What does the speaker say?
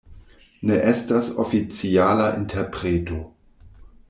Ne estas oficiala interpreto.